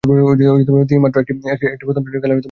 তিনি মাত্র একটি প্রথম-শ্রেণীর খেলায় অংশ নিতে পেরেছিলেন।